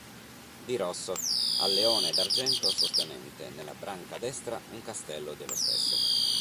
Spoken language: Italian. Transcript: Di rosso, al leone d'argento sostenente nella branca destra un castello dello stesso.